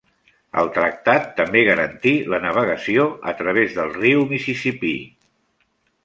El tractat també garantí la navegació a través del riu Mississipí.